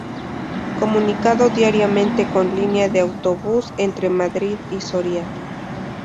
Comunicado diariamente con línea de autobús entre Madrid y Soria.